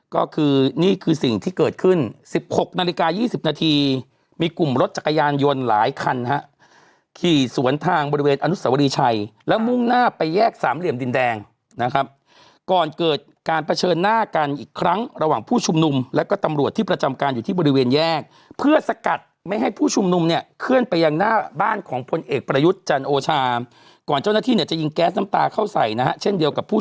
ก็คือนี่คือสิ่งที่เกิดขึ้น๑๖นาฬิกา๒๐นาทีมีกลุ่มรถจักรยานยนต์หลายคันนะครับขี่สวนทางบริเวณอนุสวรีชายแล้วมุ่งหน้าไปแยกสามเหลี่ยมดินแดงนะครับก่อนเกิดการประเชิญหน้ากันอีกครั้งระหว่างผู้ชุมนุมแล้วก็ตำรวจที่ประจำการอยู่ที่บริเวณแยกเพื่อสกัดไม่ให้ผู้ชุมนุมเนี่ยเคลื่อนไปยังหน